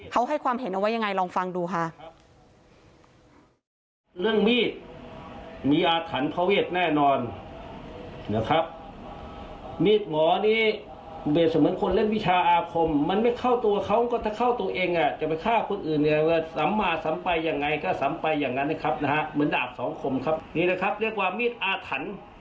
เขาให้ความเห็นเอาไว้ยังไงลองฟังดูค่ะ